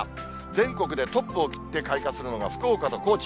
全国でトップを切って開花するのが福岡と高知。